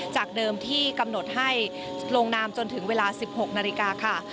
จากเดิมที่กำหนดให้ลงนามจนถึงเวลา๑๖นาฬิกาค่ะ